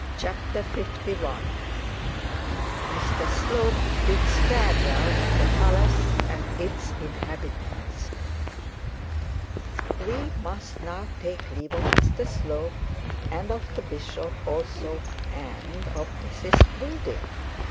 CHAPTER LI MR SLOPE BIDS FAREWELL TO THE PALACE AND ITS INHABITANTS We must now take leave of Mr Slope, and of the bishop, and of Mrs Proudie.